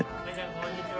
こんにちは。